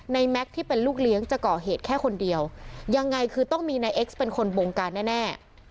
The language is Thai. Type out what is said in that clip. แม็กซ์ที่เป็นลูกเลี้ยงจะก่อเหตุแค่คนเดียวยังไงคือต้องมีนายเอ็กซ์เป็นคนบงการแน่